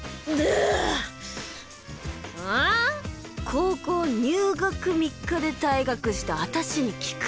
高校入学３日で退学した私に聞く？